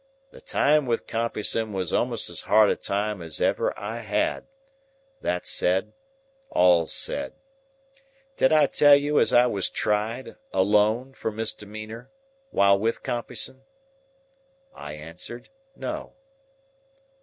"The time wi' Compeyson was a'most as hard a time as ever I had; that said, all's said. Did I tell you as I was tried, alone, for misdemeanor, while with Compeyson?" I answered, No.